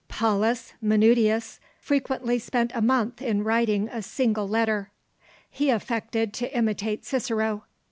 Paulus Manutius frequently spent a month in writing a single letter. He affected to imitate Cicero.